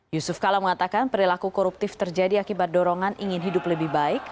yusuf kala mengatakan perilaku koruptif terjadi akibat dorongan ingin hidup lebih baik